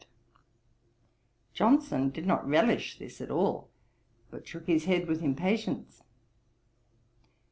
"' Johnson did not relish this at all; but shook his head with impatience.